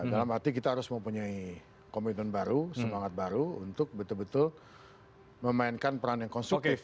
dalam arti kita harus mempunyai komitmen baru semangat baru untuk betul betul memainkan peran yang konstruktif